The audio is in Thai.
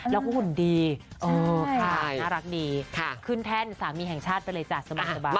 แล้วก็หุ่นดีน่ารักดีขึ้นแท่นสามีแห่งชาติไปเลยจ้ะสบาย